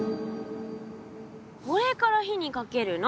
これから火にかけるの。